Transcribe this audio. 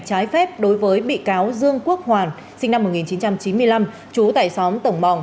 giải phép đối với bị cáo dương quốc hoàn sinh năm một nghìn chín trăm chín mươi năm chú tại xóm tổng bòng